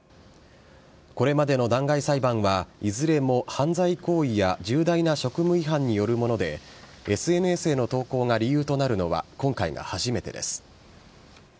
これまでの弾劾裁判は、いずれも犯罪行為や重大な職務違反によるもので、ＳＮＳへの投稿が理由となるのは今回が初めてです。